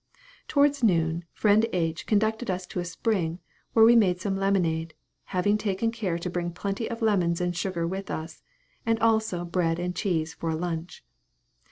Towards noon, friend H. conducted us to a spring, where we made some lemonade, having taken care to bring plenty of lemons and sugar with us, and also bread and cheese for a lunch.